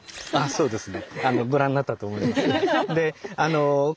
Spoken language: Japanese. そうですね。